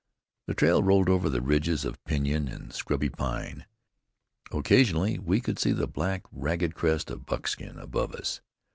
The trail rolled over the ridges of pinyon and scrubby pine. Occasionally we could see the black, ragged crest of Buckskin above us.